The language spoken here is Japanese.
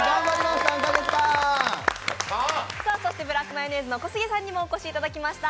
ブラックマヨネーズ・小杉さんにもお越しいただきました。